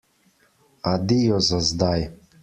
Adijo za zdaj!